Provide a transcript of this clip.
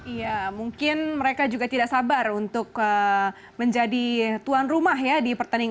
iya mungkin mereka juga tidak sabar untuk menjadi tuan rumah ya di pertandingan